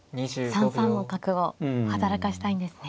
３三の角を働かせたいんですね。